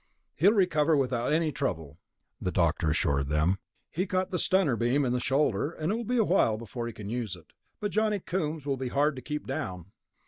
"He'll recover without any trouble," the doctor had assured them. "He caught the stunner beam in the shoulder, and it will be a while before he can use it, but Johnny Coombs will be hard to keep down."